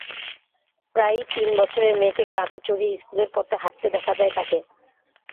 প্রায়ই তিন বছরের মেয়েকে কাঁধে চড়িয়ে স্কুলের পথে হাঁটতে দেখা যায় তাঁকে।